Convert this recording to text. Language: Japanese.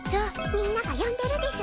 みんなが呼んでるです。